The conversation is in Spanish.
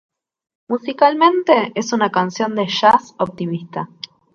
Musicalmente, es una canción de jazz optimista.